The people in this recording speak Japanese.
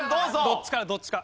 どっちかどっちか。